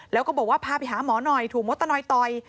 แล้วก็บอกว่าพาไปหาหมอหน่อยถูกมดตะนอยต่อย